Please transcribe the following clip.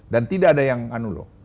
dan tidak ada yang anulo